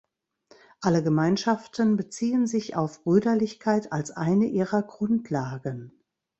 Alle Gemeinschaften beziehen sich auf Brüderlichkeit als eine ihrer Grundlagen.